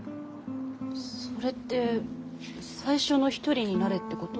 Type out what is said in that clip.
それって最初の一人になれってこと？